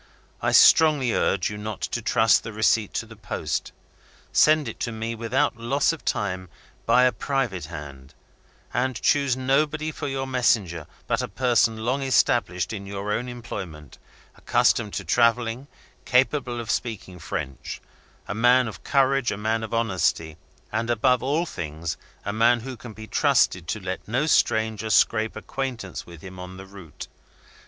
I strongly urge you not to trust the receipt to the post. Send it to me, without loss of time, by a private hand, and choose nobody for your messenger but a person long established in your own employment, accustomed to travelling, capable of speaking French; a man of courage, a man of honesty, and, above all things, a man who can be trusted to let no stranger scrape acquaintance with him on the route.